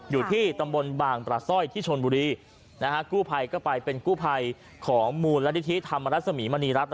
อยู่ที่ตำบลบางปลาสร้อยที่ชนบุรีกู้ภัยก็ไปเป็นกู้ภัยของมูลนิธิธรรมรสมีมณีรัฐ